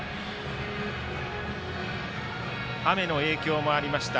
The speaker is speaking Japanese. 雨の影響もありました